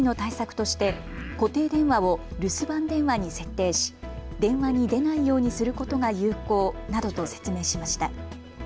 警察官は特殊詐欺の対策として固定電話を留守番電話に設定し電話に出ないようにすることが有効などと説明しました。